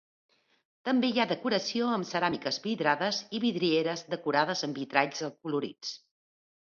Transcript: També hi ha decoració amb ceràmiques vidrades i vidrieres decorades amb vitralls acolorits.